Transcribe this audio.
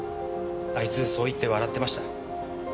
あいつそう言って笑ってました。